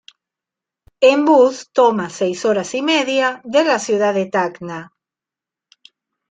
En bus toma seis horas y media de la ciudad de Tacna.